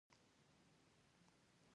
خواږه شیان کم وخوره او تازه مېوې ډېرې وخوره.